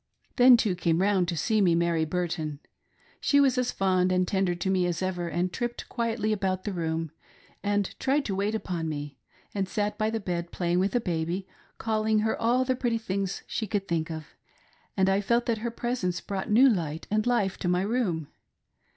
Then, too, came round to see me, Mary Burton. She was as fond and tender to me as ever, and tripped quietly about the room, and tried to wait upon me, and sat by the bed, play ing with baby, calling her all the pretty things she could think of, and I felt that her presence brought new light and life to my room.